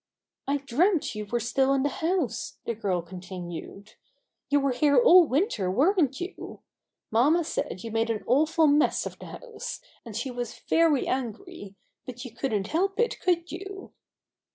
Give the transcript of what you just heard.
"I dreamt you were still in the house," the girl continued. "You were here all win ter, weren't you? Mamma said you made an awful mess of the house, and she was very angry, but you couldn't help it, could you?"